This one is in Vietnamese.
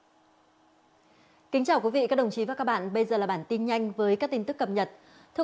kính chào quý vị các đồng chí và các bạn bây giờ là bản tin nhanh với các tin tức cập nhật